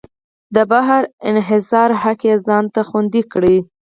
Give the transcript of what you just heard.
د بهر انحصار حق یې ځان ته خوندي کړ.